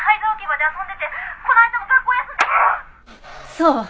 そう。